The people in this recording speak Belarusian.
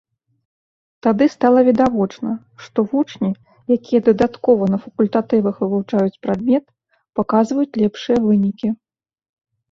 Тады стала відавочна, што вучні, якія дадаткова на факультатывах вывучаюць прадмет, паказваюць лепшыя вынікі.